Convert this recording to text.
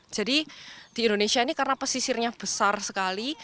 jadi di indonesia ini karena pesisirnya besar sekali